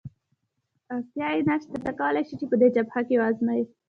اړتیا یې نشته، ته کولای شې دی په جبهه کې وآزموېې.